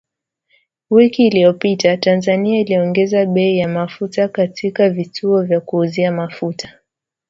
Wiki iliyopitaTanzania iliongeza bei ya mafuta katika vituo vya kuuzia mafuta